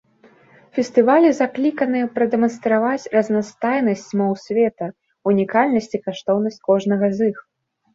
Фестывалі закліканы прадэманстраваць разнастайнасць моў света, унікальнасць і каштоўнасць кожнага з іх.